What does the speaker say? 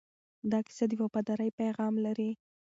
دا کیسه د وفادارۍ پیغام لري.